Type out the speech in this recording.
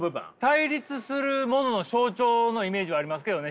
対立するものの象徴のイメージはありますけどね